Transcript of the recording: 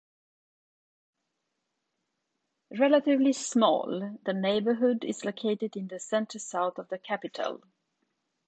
Relatively small, the neighborhood is located in the center-south of the capital.